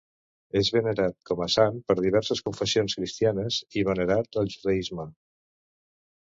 És venerat com a sant per diverses confessions cristianes i venerat al judaisme.